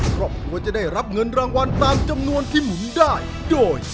ครอบครัวจะได้รับเงินรางวัลตามจำนวนที่หมุนได้โดย